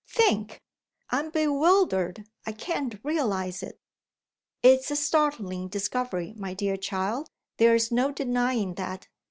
"Think! I'm bewildered I can't realize it." "It's a startling discovery, my dear child there is no denying that.